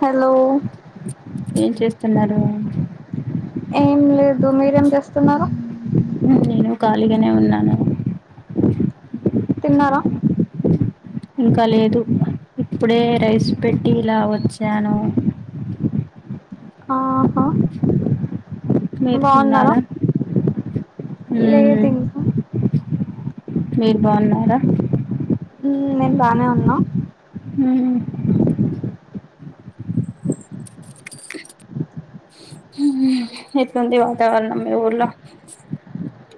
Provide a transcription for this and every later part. Hello ఏం చేస్తున్నారు ఏం లేదు మీరేం చేస్తున్నారు నేను ఖాళీగానే ఉన్నాను తిన్నారా ఇంకా లేదు ఇప్పుడే రైస్ పెట్టి ఇలా వచ్చాను ఆహా బాగున్నార ఊ మీరు బాగున్నారా ఊ నేను బానే ఉన్నా ఊ ఎట్లుంది వాతావరణ మీ ఊళ్ళో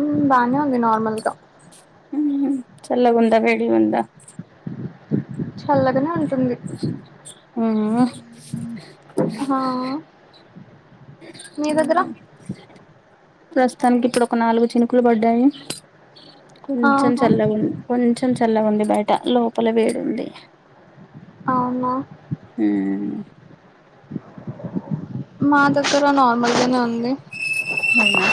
ఊ బానే ఉంది నార్మల్గా ఆ చల్ల గుందా వేడిగుందా చల్లగనే ఉం టుంది మ్మ్ ఆహా మీ దగ్గర ప్రస్తుతానికి ఇప్పుడు ఒక నాలుగు చినుకులు పడ్డాయి కొంచెం ఆహా చలగుంది కొంచెం చల్ల ఉంది బయట లోపల వేడుంది అవునా ఊ మా దగ్గర నార్మల్గనే ఉంది అవునా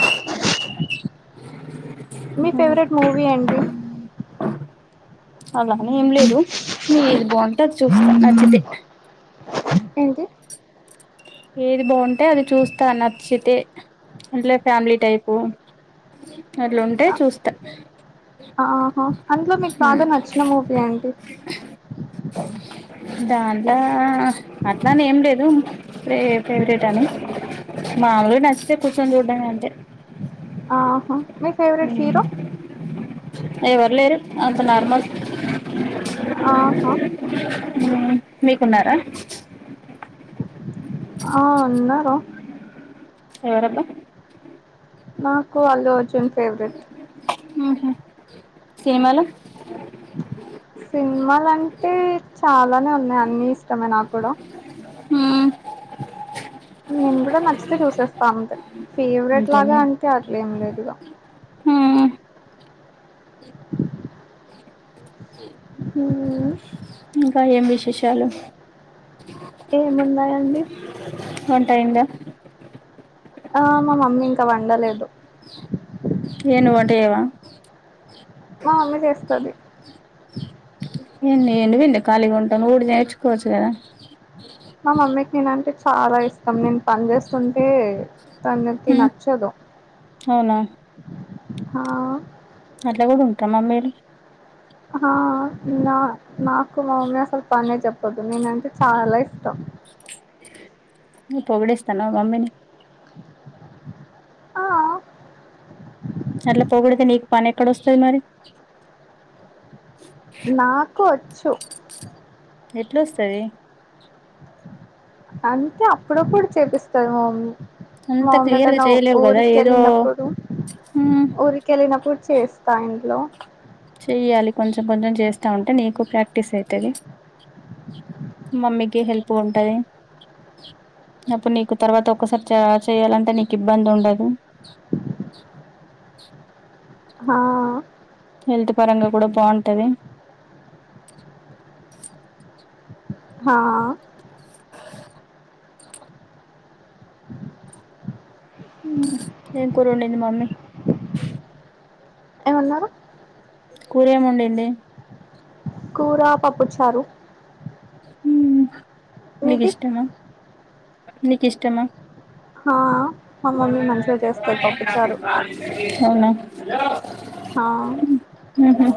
మీ మ్మ్. ఫేవరెట్ మూవీ ఏంటీ అలానే ఏం లేదు ఏది బాగుంటే అది చూస్తా నచ్చితే ఏంటి ఏది బాగుంటే అది చూస్తా నచ్చితే అట్లే ఫ్యామిలీ టైపు అట్లా ఉంటే చూస్తా ఆహా అందులో మీకు బాగా నచ్చిన మూవీ ఏంటీ దాన్లా హట్ అట్లనీ ఏం లేదు ప్రె ఫేవరెట్ అని మామూలుగా నచ్చితే కూర్చొని చూడ్డం అంతె ఆహ మీ ఫేవరెట్ హీరో ఎవరు లేరు అంత నార్మల్ ఆహా ఊ మీకున్నారా ఆ వున్నారు ఎవరబ్బ నాకు అల్లు అర్జున్ ఫేవరెట్ ఊహు సినిమాలు సినిమలంటే చాలానే ఉన్నాయి అన్ని ఇష్టమే నాకు కూడా ఆ నేను కూడా నచ్చితే చూసేస్తా అంతే ఫేవరెట్ అంతేనా లాగా అంటే అట్లే ఏం లేదిగ ఉమ్ అవునా ఇంక యేం విశేషాలు ఏమున్నాయండి వంట అయ్యిందా ఆ మామమ్మీ ఇంక వండలేదు యే నువ్వు వంట చెయ్యవ మామమ్మీ చేస్తది ఎందుకండి ఖాళీగా ఉండటం ఏదోటి నేర్చుకోవచ్చు కదా మా మమ్మీకి నేనంటే చాలా ఇష్టం నేను పని చేస్తుంటే తనకి నచ్చదు అవున హ అట్ల కూడా ఉంటర మమ్మీలు హా నా నాకు మాఅమ్మ అసలు పనే చెప్పదు నేనంటే చాలా ఇష్ట నువ్వు పొగిడేస్తున్నావ మమ్మీనీ ఆ అట్ల పొగుడుతే నీకు పని ఎక్కడొస్తది మరి చు ఎట్లొస్తది అంటె అప్పుడప్పుడు చేపిస్తాది మమమ్మీ మ అంత మమ్మి క్లియర్ గా ఎటైనా చేయలేవు కదా ఊరికి ఏదో వెళ్ళినప్పుడు హ్మ్ ఊరికెళ్ళినప్పుడు చేస్తా ఇంట్లో చెయ్యాలి కొంచెం కొంచెం చేస్తాఉంటే నీకు ప్రాక్టీస్ అయితది మమ్మీకి హెల్పుగ ఉంటది అప్పుడు నీకు తర్వాత ఒక్కసారే చేయాలంటే నీకు ఇబ్బంది ఉండదు హా హెల్త్ పరంగా కూడా బాగుంటది హా హు ఏం కురోండింది మామీ ఏమన్నారు కూరెం వండింది కూర పప్పుచారు హు నీకు మీది ఇష్టమా నీకు ఇష్టమా హా మా మమ్మీ మంచిగా చేస్తది పప్పుచారు అవునా హలో హ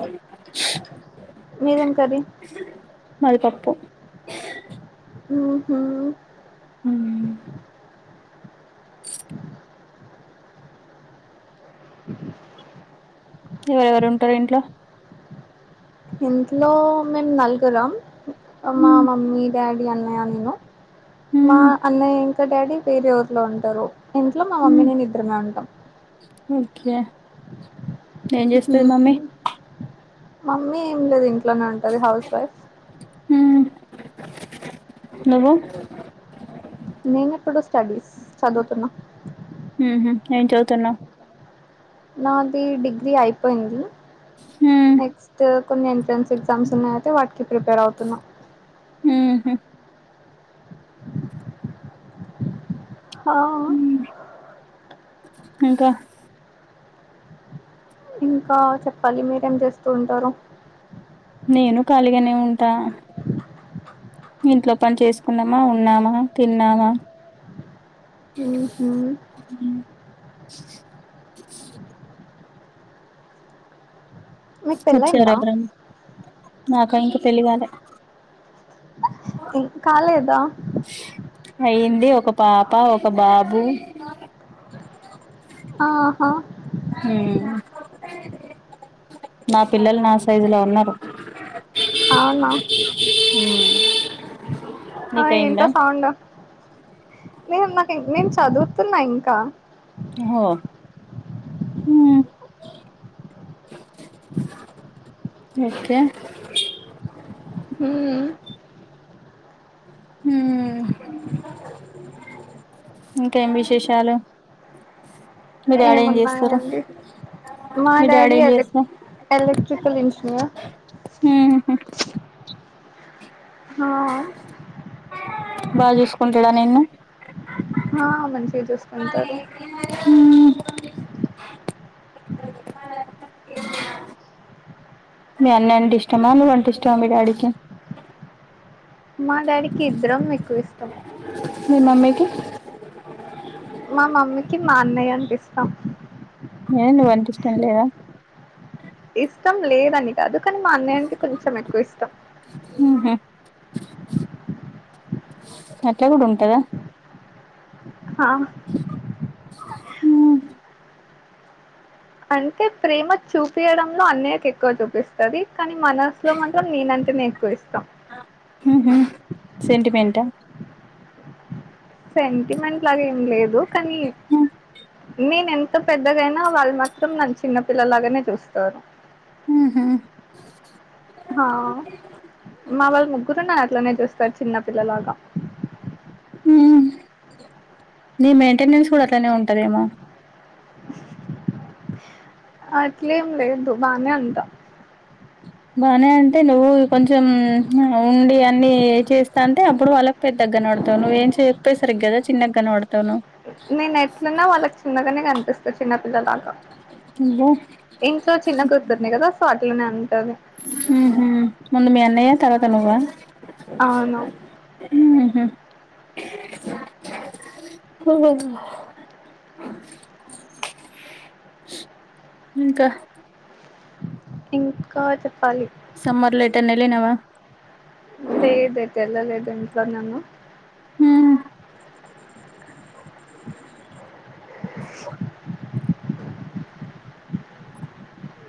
అ మీదేం కర్రీ మాది పప్పు ఊహూ ఊ ఎవరెవరు ఉంటారు ఇంట్ల ఇట్లో మేం నలుగురం అమ్మా హ్మ్ మమ్మీ డాడీ అన్నయ నేను మా హ్మ్ అన్నయ్య ఇంకా డాడీ వేరే ఊరిలో ఉంటరు ఇంట్లో మా మమ్మీ హ్మ్ నేను ఇద్దరమే ఉంటాం ఓకే ఏం చేస్తది మమ్మీ మమ్మీ ఏం లేదు ఇంట్లోనే ఉంటది హౌస్ వైఫ్ హు నువ్వు నేను ఇప్పుడు స్టడీస్ చదువుతున్నా ఉహు ఏం చదుతున్నావు నాది డిగ్రీ అయిపోయింది హ్మ్ నెక్స్ట్ కొన్ని ఎంట్రన్స్ ఎగ్జామ్స్ ఉన్నాయి అయితే వాటికి ప్రిపేర్ అవుతున్నాం. ఉహు ఆ హ్మ్ ఇంకా ఇంకా చెప్పాలి మీరేం చేస్తూ ఉంటారు. నేను ఖాళీగానే ఉంటా. ఇంట్లో పని చేసుకున్నామా, ఉన్నామా, తిన్నామా. ఉహూ మీకు వచ్చారు పెళ్లయిందా ఎవరన్నా నాకా ఇంక పెళ్లి కాలే [unintelligible] కాలేదా అయ్యింది ఒక పాప, ఒక బాబు. ఆహా హు నా పిల్లలు నా సైజులో ఉన్నారు. అవున హు ఆ ఏంటా సౌండ్ నేను, నాకు నేను చదువుతున్నా ఇంకా. ఓహో ఓకే [inaudible] హ్మ్ ఇంకేం విశేషాలు. మీ డాడీ ఏం చేస్తారు, ఏమున్నాయండి మీ డాడీ ఏం చేస్తా. [unintelligible] [unintelligible] ఇంచినవా ఉహు ఆ బాచూసుకుంటాడ నిన్ను ఆ మంచిగా చూసుకుంటారు హు మీ అన్న అంటె ఇష్టమా, నువ్వంటే ఇష్టమా మీ డాడికి? మా డాడీకి ఇద్దరం ఎక్కువ ఇష్టం. మీ మమ్మీకి మా మమ్మీకి మా అన్నయ్య అంటే ఇష్టం. ఏ నువ్వంటే ఇష్టం లేదా? ఇష్టం లేదని కాదు కానీ మా అన్నయ్యంటే కొంచెం ఎక్కువ ఇష్టం. ఉహు అట్లా కూడా ఉంటదా! ఆ అ అంటే ప్రేమ చూపియడంలో అన్నయ్యకు ఎక్కువ చూపిస్తది, కానీ మనసులో మాత్రం నేనం. టేనే ఎక్కువ ఇష్టం. ఉహు సెంటిమెంటా సెంటిమెంట్ లాగ ఏం లేదు కానీ నేనేం. త పెద్దగైనా వాళ్ళు మాత్రం నన్ చిన్న పిల్లలాగానే చూస్తారు. ఉహు ఆ మా వాళ్ళు ముగ్గురు నన్ అట్లనే చూస్తారు చిన్నపిల్లలాగా. [inaudible] నీ మెయింటెనెన్స్ కూడా అట్లానే ఉంటందేమో. అట్లేం లేదు బానే ఉంటా. బానే అంటే నువ్వు కొంచెం [unintelligible] ఉండి, అన్ని ఏ చేస్తాంటే అప్పుడు వాళ్ళకు పెద్ద. గానపప్తాన్నవ్ ఏం చెప్పేసరిగ్గాదా చిన్న కనపడతాన్నావ్. నేను ఎట్లున్నా వాళ్ళకి చిన్నగానే కన్ ఇంకా చిన్న పిల్లలాగా అబ్బో ఇంట్లో చిన్న కూతురినే కదా ఫార్టీ ఉన్నాయి హు ఉహ్మ్ ముందు మీ అన్నయ్య తర్వాత నువ్వా అవును హ్మ్ ఉ ఇంకా ఇకా చే సమ్మర్‌ల ఎటన్నా ఎళ్ళినావా లేదే ఎతెల్ల లేదు ఇంట్లోనే ఉన్న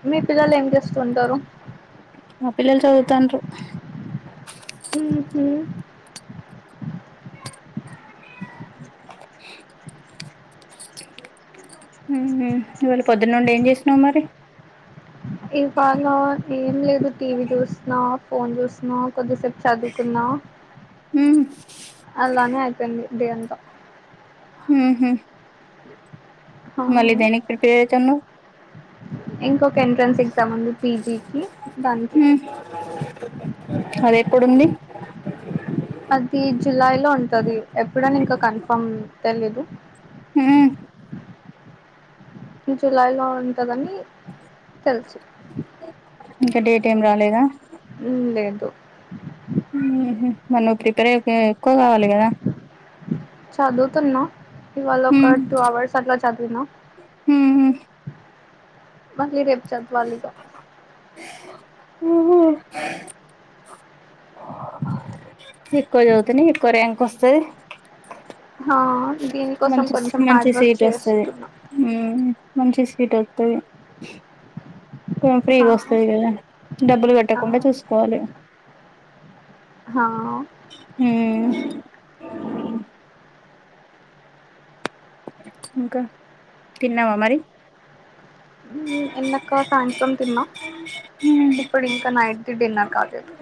మీ పిల్లలు ఏం చేస్తుంటారు ఆ పిల్లలు చదువుతాంట్రు ఉహు మ్మ్ ఉమ్మ్ ఇవాళ పొద్దున్న నుండి ఏం చేస్తున్నావ్ మరి ఇవాళ ఏం లేదు టీవీ చూసినా ఫోన్ చూసినా కొద్దిసేపు చదువుకున్నా మ్మ్ అలానే అయిపోయింది డే అంతా మ్మ్ ఉహ్మ్ ఆ మళ్ళీ దేనికి ప్రిపేర్ అయితున్నావ్ ఇంకొక ఎంట్రెన్స్ ఎగ్జామ్ ఉంది పీజీకి దానికి అదెక్కడుంది అది జులై లో ఉంటది ఎప్పుడని ఇంకా కన్ఫర్మ్ తెలీదు ఉమ్మ్ జులై లో ఉంటదని తెలుసు ఇంకా డేట్ ఏం రాలేదా ఉమ్మ్ లేదు మ్మ్ ఉహ్మ్ మళ్ళీ నువ్వు ప్రిపేర్ అయ్యేకి ఎక్కువ కావాలి కదా చదువుతున్నా ఇవాళ ఒక హ్మ్ టూ అవర్స్ అట్లా చదివిన హ్మ్ మళ్ళీ రేపు చదవాలి ఇగ మ్మ్ ఉమ్మ్ ఎక్కువ చదివితేనే ఎక్కువ ర్యాంక్ వస్తాది హ మంచి మంచి సీట్ వస్తాది ఉమ్మ్ మంచి సీట్ వతది టోన్ హా ఫ్రీగా వస్తది కదా డబ్బులు హా పెట్టకుండా చూసుకోవాలి హ హ్మ్ ఇంకా తిన్నావా మరి మ్మ్ ఇంద్దాకా సాయంత్రం తిన్న ఇప్పుడు ఇంకా నైట్ కి డిన్నర్ కాలేదు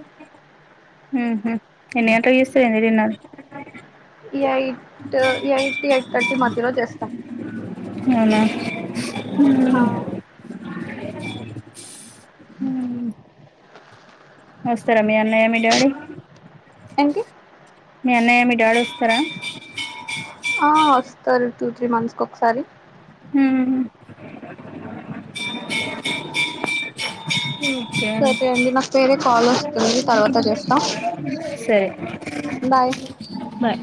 మ్మ్ ఉహ్మ్ ఎన్ని గంటలకు చేస్తావేంది డిన్నర్ ఇగ ఎట్ ఎయిట్ ఎయిట్ థర్టీ మధ్యలో చేస్తా అవునా హా ఉహ్మ్ వస్తారా మీ అన్నయ్య మీ డాడీ ఏంటి మీ అన్నయ్య మీ డాడీ వస్తారా ఆ వస్తారు టూ త్రీ మంత్స్ కి ఒకసారి ఉమ్మ్ సరే అండి నాకు వేరే కాల్ వస్తుంది తర్వాత చేస్తా సరే బాయ్ బాయ్